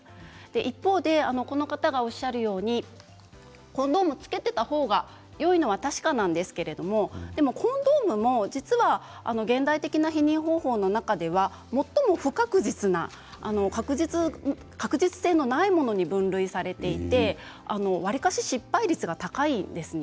一方でこの方がおっしゃるようにコンドームをつけていた方がよいのは確かなんですけれどでもコンドームも実は現代的な避妊方法の中では最も不確実な確実性のないものに分類されていてわりかし失敗率が高いんですね。